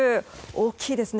大きいですね。